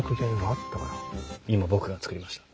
今僕が作りました。